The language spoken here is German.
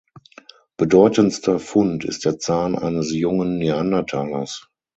Bedeutendster Fund ist der Zahn eines jungen Neandertalers.